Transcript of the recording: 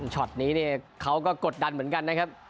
ช็อตนี้เนี่ยเขาก็กดดันเหมือนกันนะครับ